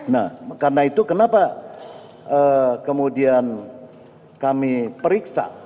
nah karena itu kenapa kemudian kami periksa